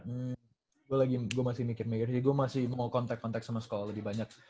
hmm gua lagi gua masih mikir mikir jadi gua masih mau kontak kontak sama sekolah lebih banyak